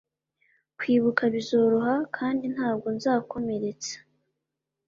kwibuka bizoroha kandi ntabwo nzakomeretsa.